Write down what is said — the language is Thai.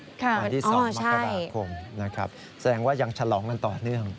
วันที่๒มกราคมนะครับแสดงว่ายังฉลองกันต่อเนื่อง